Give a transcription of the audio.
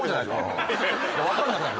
分かんなくなる。